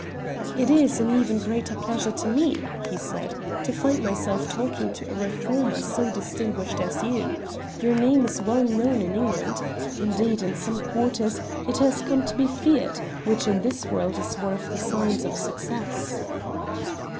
"It is an even greater pleasure to me," he said, "to find myself talking to a reformer so distinguished as you. Your name is well known in England. Indeed, in some quarters, it has come to be feared, which in this world is one of the signs of success."